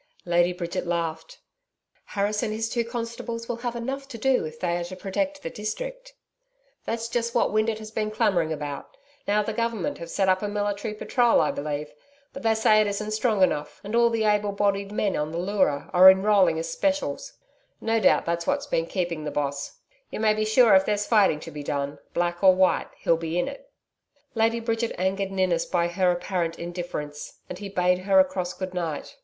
Lady Bridget laughed. 'Harris and his two constables will have enough to do if they are to protect the district.' 'That's just what Windeatt has been clamouring about. Now the Government have sent up a military patrol, I believe. But they say it isn't strong enough, and all the able bodied men on the Leura are enrolling as specials. No doubt, that's what been keeping the Boss. You may be sure if there's fighting to be done black or white he'll be in it.' Lady Bridget angered Ninnis by her apparent indifference, and he bade her a cross good night.